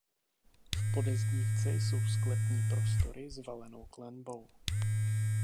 V podezdívce jsou sklepní prostory s valenou klenbou.